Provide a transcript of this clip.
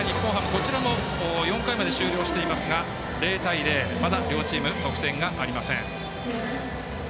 こちらも４回まで終了していますが０対０、まだ両チーム得点ありません。